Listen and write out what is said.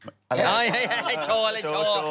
เอาให้โชว์เลยโชว์